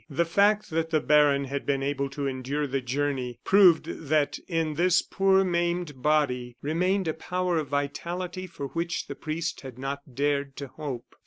The fact that the baron had been able to endure the journey, proved that in this poor maimed body remained a power of vitality for which the priest had not dared to hope.